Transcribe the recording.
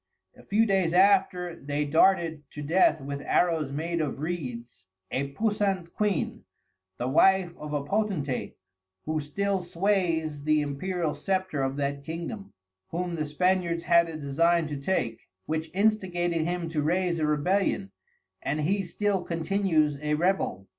A few days after they darted to Death with Arrows made of Reeds a Puissant Queen, the Wife of a Potentate, who still sways the Imperial Scepter of that Kingdom, whom the Spaniards had a design to take, which instigated him to raise a Rebellion, and he still continues a Rebel.